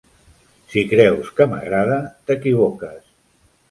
Si creus que m'agrada, t'equivoques.